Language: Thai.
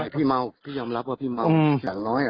พี่เมาพี่ยอมรับว่าพี่เมาอย่างน้อย